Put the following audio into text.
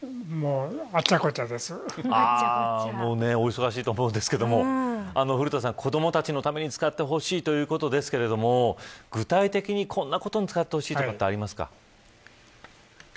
お忙しいと思うんですけれども古田さん、子どもたちのために使ってほしいということですけれども具体的に、こんなことに使ってほしいとかあります